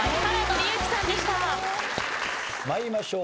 参りましょう。